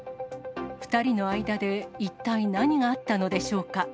２人の間で一体、何があったのでしょうか。